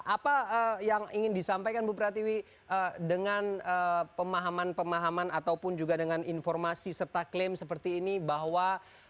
apa yang ingin disampaikan bu pratiwi dengan pemahaman pemahaman ataupun juga dengan informasi serta klaim seperti ini bahwa